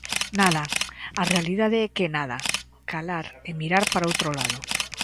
Nada, a realidade é que nada, calar e mirar para o outro lado.